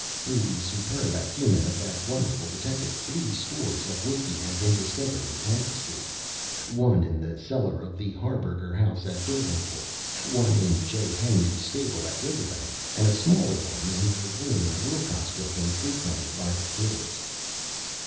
Through the superb acumen of that wonderful detective, three stores of whiskey had been discovered and confiscated one in the cellar of the Harburger House at Derlingport; one in Joe Henry's stable at Riverbank; and a smaller one in the room in the Willcox Building frequented by the "Kidders."